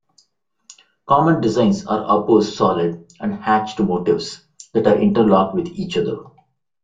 Common designs are opposed solid and hatched motifs that are interlocked with each other.